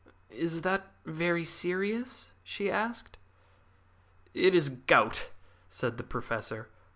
"Is that very serious?" she asked. "It is gout," said the Professor.